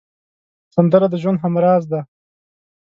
سندره د ژوند همراز ده